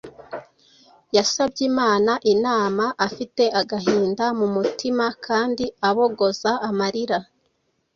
Yasabye Imana inama afite agahinda mu mutima kandi abogoza amarira.